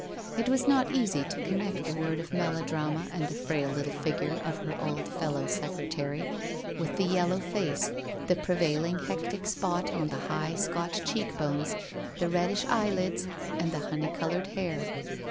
It was not easy to con nect the word of melodrama and the frail little figure of her old fellow secretary, with the yellow face, the prevail ing hectic spot on the high, Scotch cheekbones, the reddish eyelids, and the honey coloured hair.